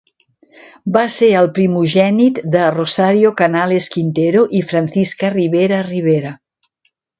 Va ser el primogènit de Rosario Canales Quintero i Francisca Rivera Rivera.